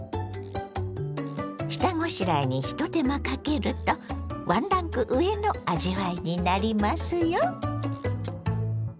下ごしらえに一手間かけるとワンランク上の味わいになりますよ！